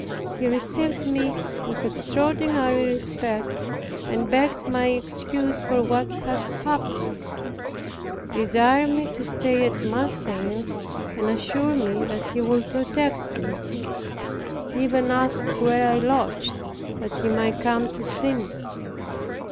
He received me with extraordinary respect, and begged my excuse for what had happened; desired me to stay at Marseilles, and assured me that he would protect me. He even asked where I lodged, that he might come to see me.